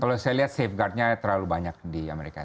kalau saya lihat safeguardnya terlalu banyak di amerika